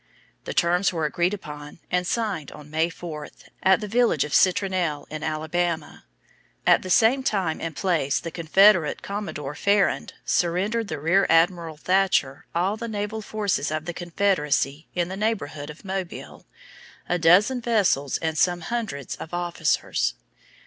The terms were agreed upon and signed on May 4, at the village of Citronelle in Alabama. At the same time and place the Confederate Commodore Farrand surrendered to Rear Admiral Thatcher all the naval forces Of the Confederacy in the neighborhood of Mobile a dozen vessels and some hundreds of officers.